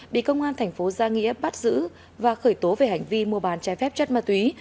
bị công an thành phố gia nghĩa bắt giữ và khởi tố về hành vi mua bán trái phép chất ma túy